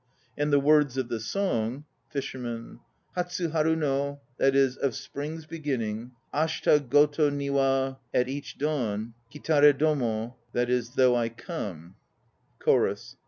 And the words of the song FISHERMAN. Hatsu haru no Of Spring's beginning Ashita goto ni wa At each dawn Kitaredomo Though I come, CHORUS.